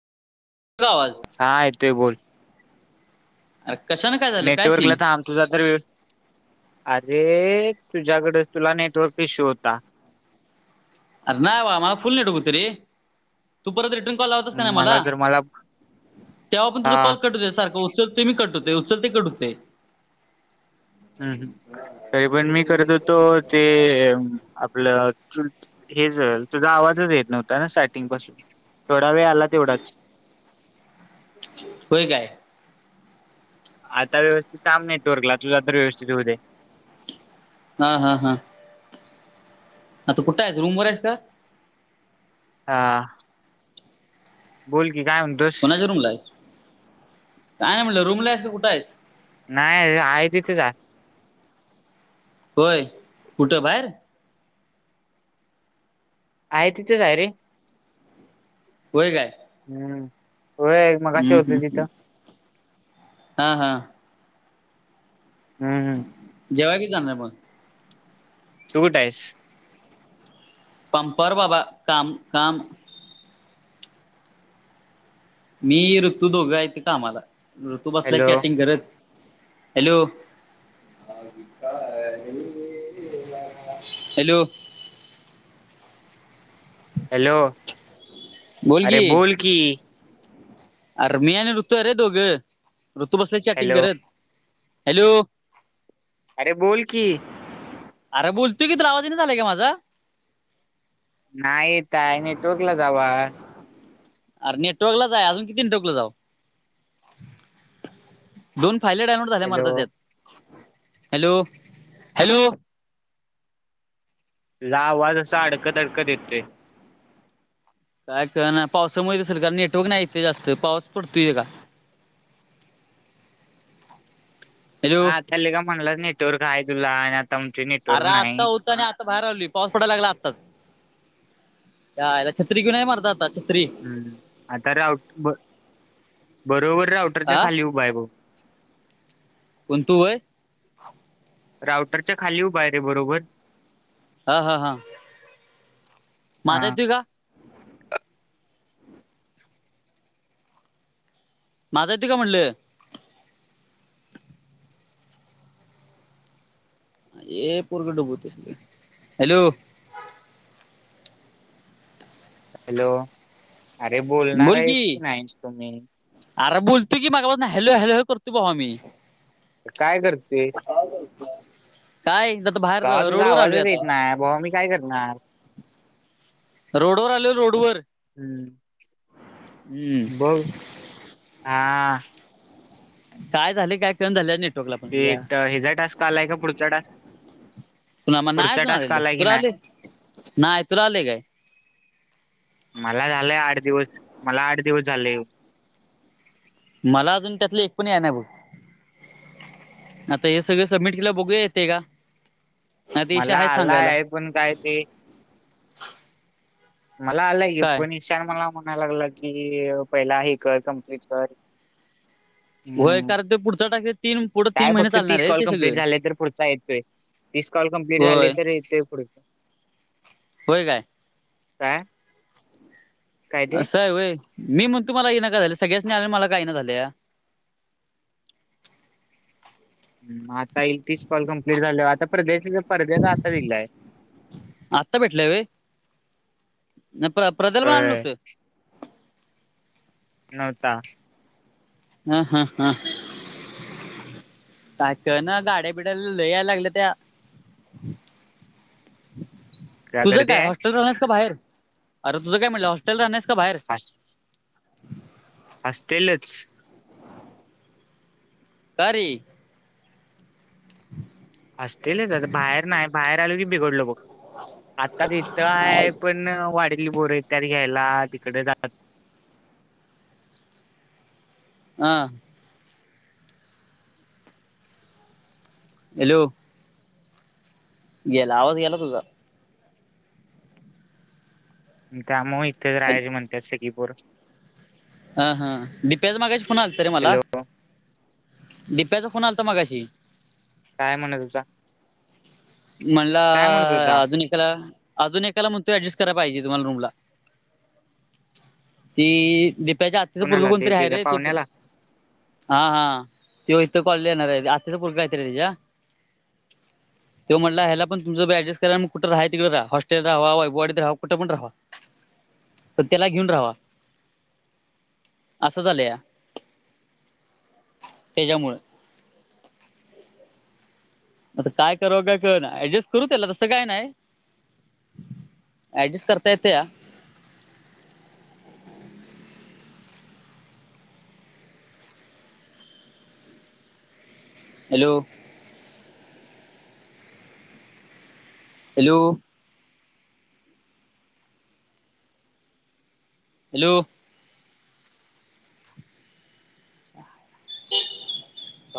गवा हा येतोय बोल अरे कशान का नेटवर्कला तुझा तर वेळ अरे तुझ्याकडेच तुला नेटवर्क इश्यू होता अर नाही वा मला फुल नििडघुत ररी तू परत रिटर्न कॉल लावतस का नाही मला तेव्हा पण हा तुझ कॉल कटू द सारखं उचलते मी कट होतोय उचलते कटुते हम् ह तरी पण मी करत होतो ते आपलं हेच तुझा आवाजच येत नव्हता ना स्टार्टिंग पासून थोडा वेळ आला तेवढाच होय काय आता व्यवस्थित काांब नाही तोरला तुझ तर व्यवस्थित हो दे हा हा हा आता कुठ आहे रूम वर आहेस का हा बोल की काय म्हणतो कोणाच्या रूमला आहेस काय नाही म्हटलं रूमला आहेस तर कुठं आहेस नाही आहे तिथे जा होय कुठं बाहेर आहेय तिथझय रे होय काय हम्म व हम्म हम्म हम् हा हा हम् हम् जेव्हा की जाणार मण तु कुठ आहेस पंपर बाबा काम काम मी ऋतू दोघं आहेत कामाला ऋतू बसलाय हॅलो चॅटिंग करत हॅलो हॅलो हॅलो अरे बोलगी बोल की अर मयाने रुत अरे दोघं ऋतू बसल्या चॅटिंग हॅलो करत हॅलो अरे बोल की अरे बोलतो की तुला आवाज येईना झालाय का माझा नाही तय नाही नेटवर्क ला जावा अर नेटवर्क लाच आहे अजून किती नेटवर्कला जाऊ दोन फायले डायनलोड झाल्या हॅलो मार्दा त्यात हॅलो हॅलो तुझा आवाज असा अडकत अडकत येतोय काय कळनाय पावसामुळे असेल का नेटवर्क नाही येते जास्त पाऊस पडतोय लेका हा हॅलो आता लेका म्हणलच नेटवर्क आहे तुला आणि आता आमचे नेटवर्क आर आत्ता नाही होतं आणि आ ता बाहेर आलोय पाऊस पडायला लागला आताच. च्यायला छत्री घेऊन आहे मर्दा आताच. हं आता राऊट ब बरोबर राऊटरच्या हा खाली उभा हाय बग कोण तू व्हय? राऊटरच्या खाली उभा आहेरे बरोबर. हा हा हा. हा माझा येतोय का? माझा येतोय का म्हणल? ए पोरगं डुबवतय, हॅलो. हॅलो, अरे बोलणार आहेस की नाही तुम्ही? आर बुलतूय की मगा पासन हॅलो हॅलो करतोय भावा मी. काय करते [unintelligible] काय आता इथ बाहेर भावा तुझा रोड वर आलोय आवाजच येत आता. नाही भावा मी काय करणार. रोडवर आलोय रोडवर. हम्म. हम्म बग? हा. काय झालय काय कळना झालय या नेटवर्कला पण ते या. ट- ह्याचा टास्क आलाय का पुढचा टास्क तु आ म नाय पुढचा आजुन टास्क आलेलं. आलाय की तुला नाही आलय, नाही तुला आलय काय? मला झालंय आठ दिवस, मला आठ दिवस झालेय यून. मला अजून त्यातलं एक पण याय नय बघ. आता हे सगळ सबमिट केल्याव बघूया येतय का? नाही तर ईशा मला हाय सांगायला. आलाय, पण काय ते मला आलंय की काय? पण ईशान मला म्हणाय लागलाय की, पहिला हे कर कम्प्लीट कर. व्हय हम्म कारण ते पुढचा टा काय फक्त तीस कॉल कम्प्लीट झाल का तर पुढचा येतोय. तीस काॅल कम्प्लीट झाले होय. तर, येतय पुढच. होय काय? काय? काय ते अस आहे व्हय. मी म्हणतो मला येईना का झाले, सगळ्यासनी आले अन् मला का येईना झाल्या. हम्म आता हे तीस कॉल कमप्लीट झाल्याव, आता परध्याच बी परध्याच आता निगलाय. आत्ता भेटलाय व्हय, नई परध्याला पण आलं होय न्हवत? नव्हता. हा हा हा. काय कळना, गाड्या बिड्या लय याय लागल्यात्या. तुझं गर्दी काय, आहे हॉस्टेलला राहनार हाईस का बाहेर? अर तुझ काय म्हटलं हाॅस्टेलला राहणार आहेस का बाहेर? हास हास्टेलच. कारे? हास्टेलच आता बाहेर नाही, बाहेर आलो की बिघडलो बघ. आता तिथं हा आहे पण, वाडितली पोर येत्यात घ्यायला तिकडे ज हा. हॅलो. गेला आवाज गेला तुझा. मग कामाव इथेच राहायच म्हणतात सगळी पोरं. हा हा दिप्याचा मागाशी फोन आला रे मला. हॅलो दिप्याचा फोन आलता मागाशी. काय म्हणत् हुता? म्हणला होता -अजून एकाला. अजून एकाला म्हणतोय ऍडजस्ट करायला पाहिजे तुम्हाला रूमला. ती दिप्याच्या आत्तीच पूर्गं कुणाला कोणतरी आहे त्याच्या रे ते प पाहुण्याला? हा हा ते इथं कॉलेज येणार आहे आत्ताच फलगा येत रे तच्या. ते म्हटला ह्या पण तुमं डजस्ट करा म कुठं राहा तिकडे रा हॉस्टल रावा वावाडी राहा कुठ पण राहावा. तर त्याला घेऊन राहावा असं झालं या. तेज्यामुळ. आता काय कव काय कर ना ऍडजस्ट करू त्याला तसं काय नाही. ऍडजस्ट करता येते या. हॅलो. हॅलो. हॅलो. [unintelligible]